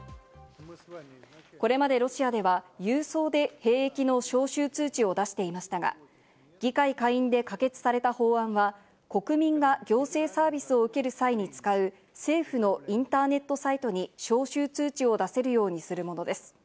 これまでロシアでは郵送で兵器の招集通知を出していましたが、議会下院で可決された法案は、国民が行政サービスを受ける際に使う政府のインターネットサイトに招集通知を出せるようにするものです。